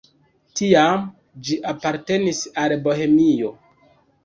Tiam ĝi apartenis al Bohemio.